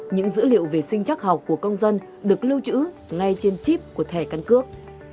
những dữ liệu về sinh chắc học của công dân được lưu trữ ngay trên chip của thẻ căn cước